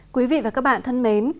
quý vị và các bạn thân mến